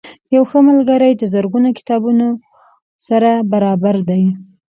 یو ښه ملګری د زرګونو کتابتونونو سره برابر دی.